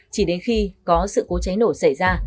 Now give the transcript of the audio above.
chỉ đến khi có sự cố cháy nổ xảy ra